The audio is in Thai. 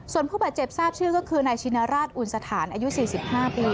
ส่วนผู้บาดเจ็บทราบชื่อก็คือนายชินราชอุ่นสถานอายุ๔๕ปี